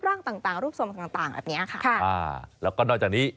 ต่างต่างรูปทรงต่างต่างแบบเนี้ยค่ะอ่าแล้วก็นอกจากนี้